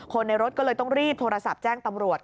ในรถก็เลยต้องรีบโทรศัพท์แจ้งตำรวจ